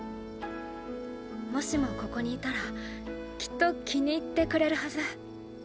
もしもここにいたらきっと気に入ってくれるはず。